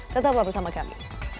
tetap bersama kami